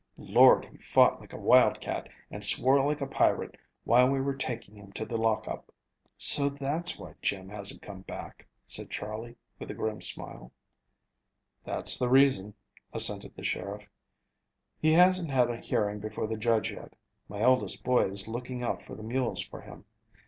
Lord, he fought like a wild cat and swore like a pirate while we were taking him to the lock up." "So that's why Jim hasn't come back," said Charley, with a grim smile. "That's the reason," assented the sheriff. "He hasn't had a hearing before the judge yet. My eldest boy is looking out for the mules for him.